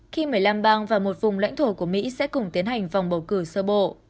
khi một mươi năm bang và một vùng lãnh thổ của mỹ sẽ cùng tiến hành vòng bầu cử sơ bộ